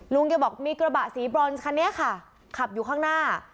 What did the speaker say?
ลุงแกบอกมีกระบะสีบรอนคันนี้ค่ะขับอยู่ข้างหน้า